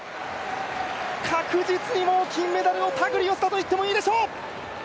確実に、もう金メダルをたぐり寄せたと言っていいでしょう。